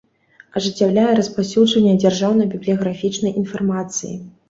Ажыццяўляе распаўсюджванне дзяржаўнай бiблiяграфiчнай iнфармацыi.